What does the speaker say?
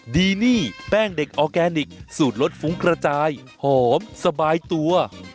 ดีนี่แป้งเด็กออร์แกนิคสูตรรสฟุ้งกระจายหอมสบายตัว